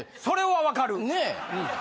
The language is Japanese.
それはわかる！ねえ！